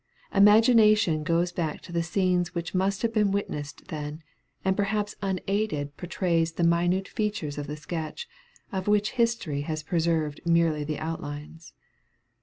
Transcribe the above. Imagination goes back to the scenes which must have been witnessed then, and perhaps unaided portrays the minute features of the sketch, of which history has preserved merely the outlines.